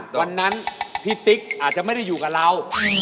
วันนั้นพี่ติ๊กอาจจะไม่ได้อยู่กับเรา